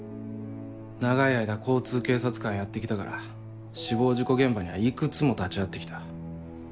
長い間交通警察官やって来たから死亡事故現場にはいくつも立ち会って来た。